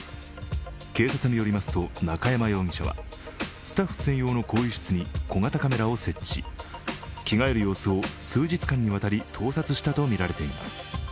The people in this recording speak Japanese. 警察によりますと中山容疑者はスタッフ専用の更衣室に小型カメラを設置、着替える様子を数日間にわたり盗撮したとみられています。